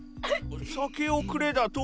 酒をくれだと？